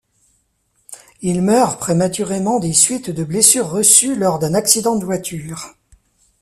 Il meurt prématurément des suites de blessures reçues lors d'un accident de voiture.